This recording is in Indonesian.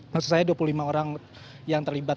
maksud saya dua puluh lima orang yang terlibat